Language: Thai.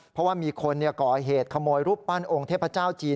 เพราะว่ามีคนก่อเหตุขโมยรูปปั้นองค์เทพเจ้าจีน